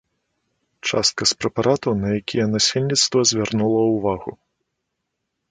Частка з прэпаратаў, на якія насельніцтва звярнула ўвагу.